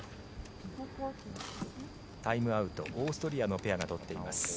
タイムアウトオーストリアのペアが取っています。